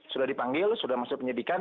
sudah dipanggil sudah masuk penyidikan